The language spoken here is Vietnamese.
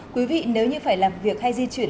quý vị nếu như phải làm việc hay di chuyển